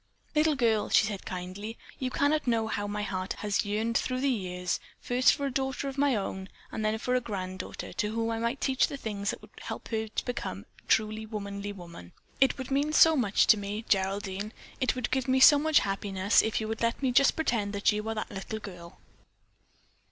"Little girl," she said kindly, "you cannot know how my heart has yearned through the years, first for a daughter of my own and then for a granddaughter to whom I might teach the things that would help her to become a truly womanly woman. It would mean so much to me, Geraldine; it would give me so much happiness, if you would let me just pretend that you are that little girl."